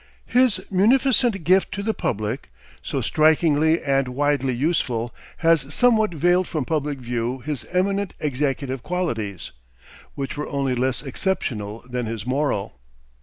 His munificent gift to the public, so strikingly and widely useful, has somewhat veiled from public view his eminent executive qualities, which were only less exceptional than his moral.